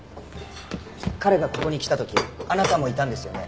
彼がここに来た時あなたもいたんですよね？